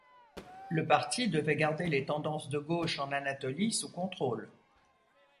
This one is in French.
Le parti devait garder les tendances de gauche en Anatolie sous contrôle.